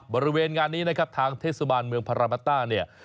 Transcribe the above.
บริเวณงานนี้นะครับทางเทศบาลเมืองพารามัตต้าเนี่ย